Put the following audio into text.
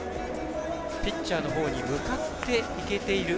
ピッチャーのほうに向かっていけている。